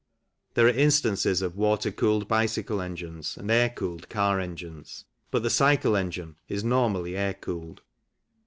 There are instances of water cooled bicycle engines and air cooled car engines, but the cycle engine is normally air cooled.